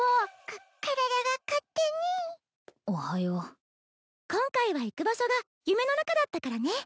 か体が勝手におはよう今回は行く場所が夢の中だったからね